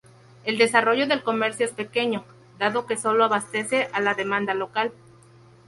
El desarrollo del comercio es pequeño, dado que solo abastece a la demanda local.